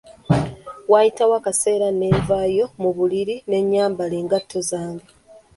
Waayitawo akaseera ne nvaayo mu buliri ne nyambala engatto zange.